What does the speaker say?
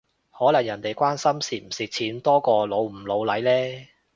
可能人哋關心蝕唔蝕錢多過老唔老嚟呢？